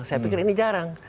saya pikir ini jarang